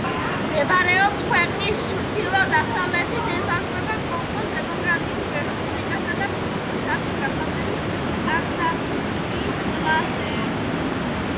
მდებარეობს ქვეყნის ჩრდილო-დასავლეთით, ესაზღვრება კონგოს დემოკრატიულ რესპუბლიკას და ბურუნდის, აქვს გასასვლელი ტანგანიიკის ტბაზე.